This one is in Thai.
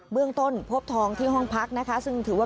เบื้องต้นพบทองที่ห้องพักนะคะ